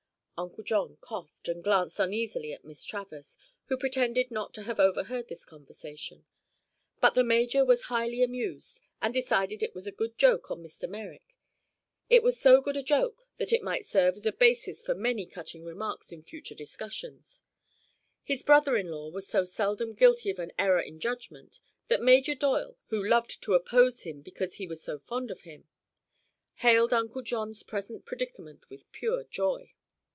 Uncle John coughed and glanced uneasily at Miss Travers, who pretended not to have overheard this conversation. But the major was highly amused and decided it was a good joke on Mr. Merrick. It was so good a joke that it might serve as a basis for many cutting remarks in future discussions. His brother in law was so seldom guilty of an error in judgment that Major Doyle, who loved to oppose him because he was so fond of him, hailed Uncle John's present predicament with pure joy.